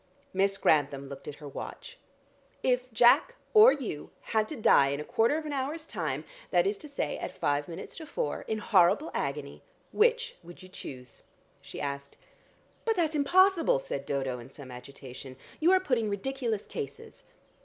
Miss Grantham looked at her watch. "If Jack or you had to die in a quarter of an hour's time, that is to say at five minutes to four in horrible agony, which would you choose?" she asked. "But that's impossible," said Dodo in some agitation. "You are putting ridiculous cases."